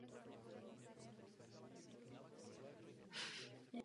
Musíme však zajistit jasné rozdělení pravomocí.